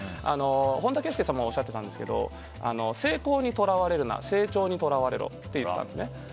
本田圭佑さんもおっしゃっていたんですけど成功にとらわれるな成長にとらわれろと言っていたんですね。